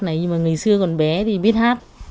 nhưng mà ngày xưa còn bé thì biết hát